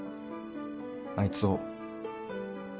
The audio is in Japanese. あいつを。